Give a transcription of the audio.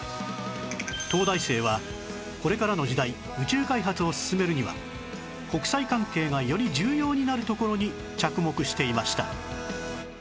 東大生はこれからの時代宇宙開発を進めるには国際関係がより重要になるところに着目していました